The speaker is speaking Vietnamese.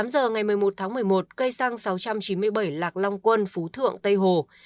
tám giờ ngày một mươi một tháng một mươi một cây xăng sáu trăm chín mươi bảy lạc long quân phú thượng tây hồ